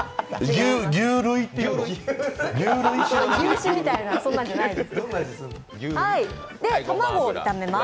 牛脂みたいな、そんなんじゃないです。